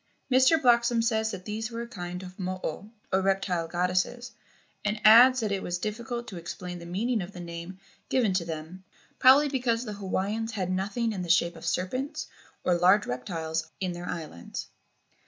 DESCRIPTION 258 Mr. Bloxam says that these were a kind of mo o, or reptile, goddesses, and adds that it was difficult to explain the mean¬ ing of the name given to them, probably because the Hawaiians had nothing in the shape of serpents or large reptiles in their islands.